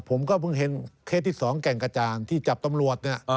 ผมก็เพิ่งเห็นเคสที่๒แก่งกระจานที่จับตำรวจเนี่ย